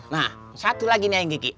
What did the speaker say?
nah satu lagi nih ayang kiki